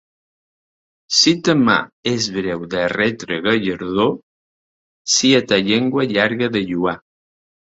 Si ta mà és breu de retre gallardó, sia ta llengua llarga de lloar.